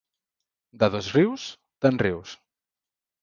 De Dosrius, te'n rius.